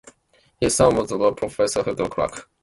His son was the law professor Herbert Kraus.